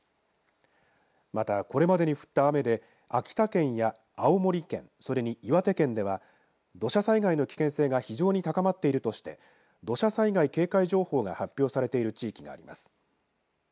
また、これまでに降った雨で秋田県や青森県それに岩手県では土砂災害の危険性が非常に高まっているとして土砂災害警戒情報が発表されている地域があります。